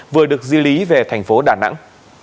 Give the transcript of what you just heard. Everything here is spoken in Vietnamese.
vừa được di lý về tp đà nẵng